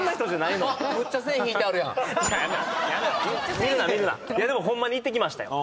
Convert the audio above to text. いやでもホンマに行ってきましたよ